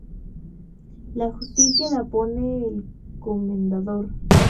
La justicia la pone el comendador.